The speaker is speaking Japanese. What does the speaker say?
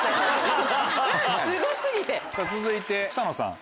続いて草野さん。